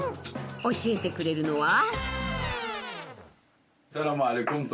教えてくれるのは。